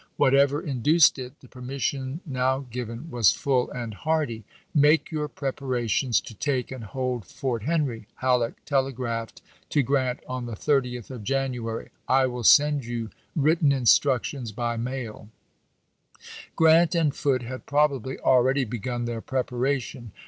Whatever induced it, the permis sion now given was full and hearty. "Make your ^otaS.*^ preparations to take and hold Fort Henry," Hal }H^2^\\'n. leek telegi'aphed to Grant on the 30th of January ; p.' 121. ■' "I will send you written instructions by mail," Grant and Foote had probably already begun their preparation.